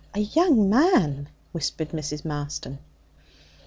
A young man!' whispered Mrs. Marston.